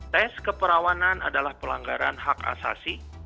tes keperawanan adalah pelanggaran hak asasi